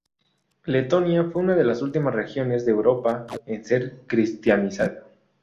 Letonia fue una de las últimas regiones de Europa en ser cristianizada.